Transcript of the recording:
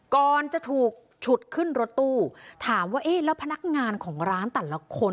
ก่อนจะถูกฉุดขึ้นรถตู้ถามว่าเอ๊ะแล้วพนักงานของร้านแต่ละคน